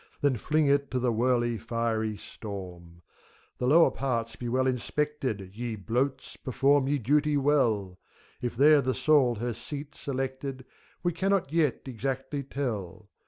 Then fling it to the whirling, fiery storm ! The lower parts be well inspected, Ye Bloats! perform your duty well: If there the Soul her seat selected We cannot yet exactly tell.